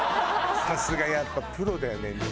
さすがやっぱプロだよね。